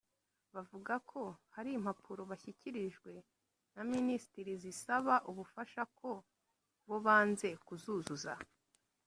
Bavuze ko hari impapuro bashyikirijwe na Minisiteri zisaba ubufasha ko bo banze kuzuzuza